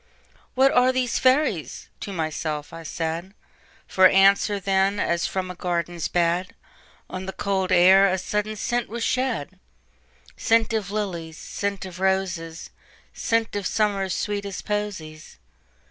"What are these fairies?" to myself I said; For answer, then, as from a garden's bed, On the cold air a sudden scent was shed,—Scent of lilies, scent of roses, Scent of Summer's sweetest posies.